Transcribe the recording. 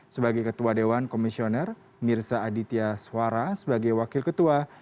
sebagai ketua dewan komisioner mirza aditya suara sebagai wakil ketua